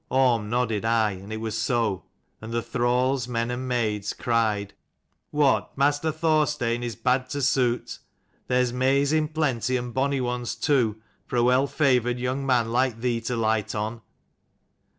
Orm nodded aye, it was so; and the thralls, men and maids, cried " What, master Thorstein is bad to suit : there's mays in plenty and bonny ones too, for a well favoured young man like thee to light on."